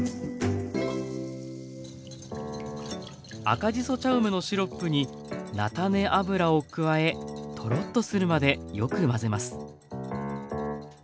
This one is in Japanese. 赤じそ茶梅のシロップになたね油を加えトロッとするまでよく混ぜます。